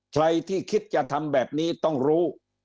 ใครที่คิดจะทำแบบนี้ต้องรู้